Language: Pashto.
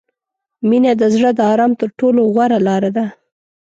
• مینه د زړه د آرام تر ټولو غوره لاره ده.